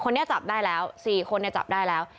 จับได้แล้ว๔คนจับได้แล้ว